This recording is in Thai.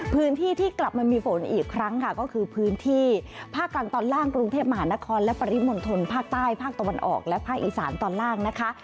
พื้นที่ที่กลับมามีฝนอีกครั้งค่ะก็คือพื้นที่ภาคกันตอนล่างกรุงเทพมหานครและปริมณฑลภาคใต้ภาคตะวันออกและภาคอีสานตอนล่างนะคะ